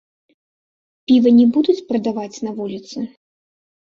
Піва не будуць прадаваць на вуліцы?